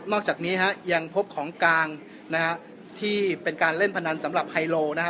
อกจากนี้ฮะยังพบของกลางนะฮะที่เป็นการเล่นพนันสำหรับไฮโลนะฮะ